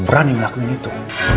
lo berani melakukan itu